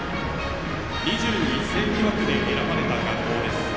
２１世紀枠で選ばれた学校です。